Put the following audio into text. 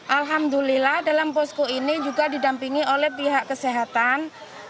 alhamdulillah dalam posko ini juga didampingi oleh pihak kesehatan